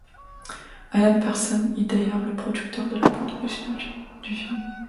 Alan Parsons est d'ailleurs le producteur de la bande originale du film.